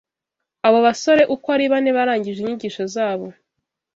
Abo basore uko ari bane barangije inyigisho zabo